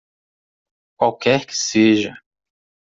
Qualquer que seja.